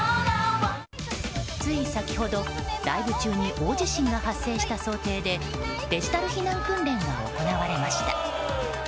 つい先ほど、ライブ中に大地震が発生した想定でデジタル避難訓練が行われました。